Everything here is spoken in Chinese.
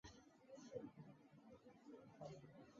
中国现代诗人。